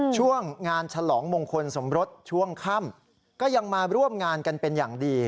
ช่วงงานฉลองมงคลสมรสช่วงค่ำก็ยังมาร่วมงานกันเป็นอย่างดี